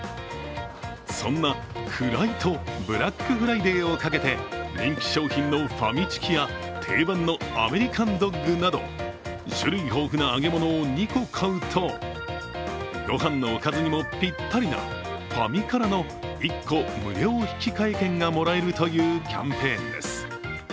そんなフライとブラックフライデーをかけて人気商品のファミチキや定番のアメリカンドッグなど種類豊富な揚げ物を２個買うとご飯のおかずにもぴったりなファミからの１個無料引換券がもらえるというキャンペーンです。